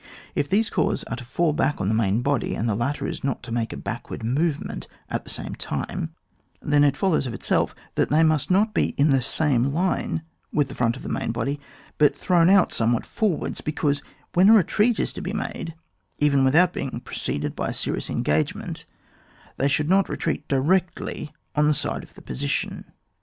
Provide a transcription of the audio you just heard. If these corps are to fall back on the main body and the latter is not to make a backward movement at the same time, then it follows of itself that they must not be in the same line with the front of the main body, but thrown out somewhat forwards, because when a retreat is to be made, even without being preceded by a serious engagement, they should not retreat directly on the side of the posi tion.